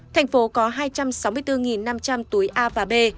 thành phố có hai trăm sáu mươi bốn năm trăm linh túi a và b